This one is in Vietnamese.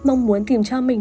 mong muốn tìm cho mình